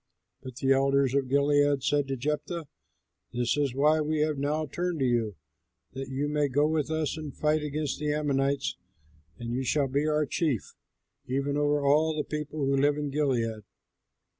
But the elders of Gilead said to Jephthah, "This is why we have now turned to you, that you may go with us and fight against the Ammonites, and you shall be our chief, even over all the people who live in Gilead."